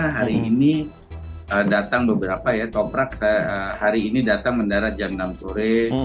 hari ini datang beberapa ya toprak hari ini datang mendarat jam enam sore